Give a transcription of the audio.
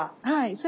はい。